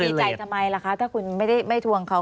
แล้วคุณจะเป็นดีจ่ายทำไมล่ะคะถ้าคุณไม่ทวงเขา